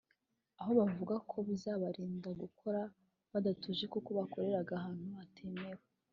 aho bavuga ko bizabarinda gukora badatuje kuko bakoreraga ahantu hatemewe